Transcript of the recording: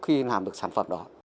khi làm được sản phẩm